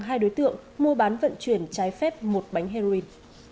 hai đối tượng mua bán vận chuyển trái phép một bánh heroin